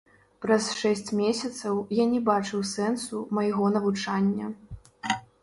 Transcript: Праз шэсць месяцаў я не бачыў сэнсу майго навучання.